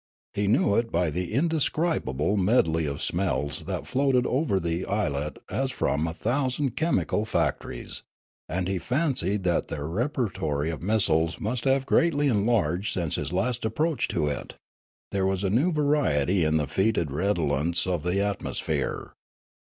He knew it by the indescribable medley of smells that floated over the islet as from a thousand chemical factories, and he fancied that their repertory of missiles must have greatly enlarged since his last approach to it. There was a new variety in the fetid redolence of the atmosphere.